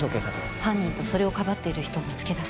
犯人とそれをかばっている人を見つけ出す。